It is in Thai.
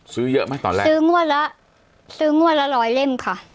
ซื้อเยอะไหมตอนแรกซื้องวดละ๑๐๐เล่มค่ะ